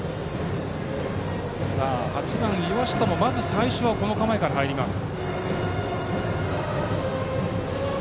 ８番、岩下もまずはバントの構えから入ります。